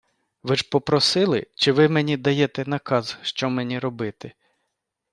Ви ж попросили чи Ви мені даєте наказ, що мені робити?